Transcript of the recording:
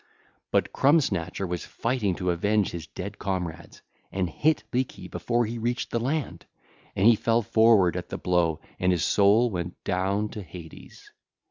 But Crumb snatcher was fighting to avenge his dead comrades, and hit Leeky before he reached the land; and he fell forward at the blow and his soul went down to Hades.